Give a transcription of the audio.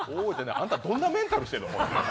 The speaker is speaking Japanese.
あんたどんなメンタルしてんの？